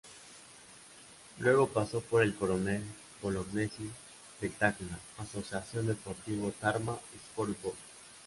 Luego pasó por el Coronel Bolognesi de Tacna, Asociación Deportiva Tarma y Sport Boys.